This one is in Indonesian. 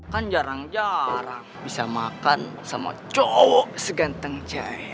kan jarang jarang bisa makan sama cowok seganteng cewek